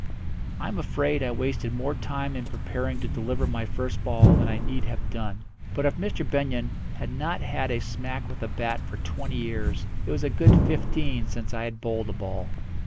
I am afraid I wasted more time in preparing to deliver my first ball than I need have done; but if Mr. Benyon had not had a smack with a bat for twenty years it was a good fifteen since I had bowled a ball.